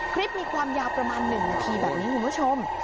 คลิปมีความยาวประมาณ๑นาทีแบบนี้คุณผู้ชม